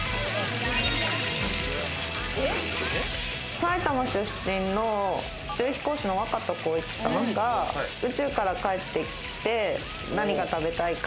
埼玉出身の宇宙飛行士の若田光一さんが宇宙から帰ってきて、何が食べたいか？